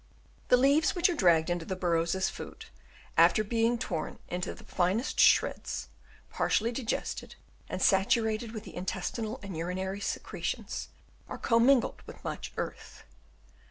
The leaves which are dragged into the bur rows as food, after being torn into the finest shreds, partially digested, and saturated with the intestinal and urinary secretions, are com mingled with much earth.